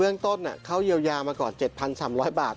เรื่องต้นเขาเยียวยามาก่อน๗๓๐๐บาท